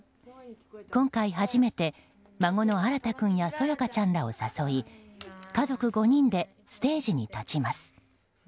今回初めて孫の新太君やそよかちゃんらを誘い家族５人でステージに立ちます。